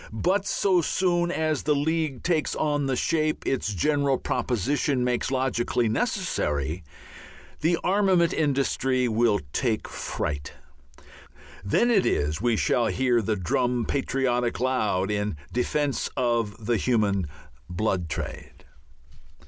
But so soon as the League takes on the shape its general proposition makes logically necessary, the armament interest will take fright. Then it is we shall hear the drum patriotic loud in defence of the human blood trade.